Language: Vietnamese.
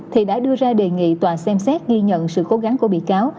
thì đã đưa ra đề nghị tòa xem xét ghi nhận sự cố gắng của bị cáo